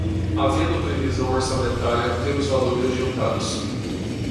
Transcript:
havendo previsão orçamentária, ter os valores adiantados